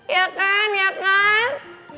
ya kan ya kan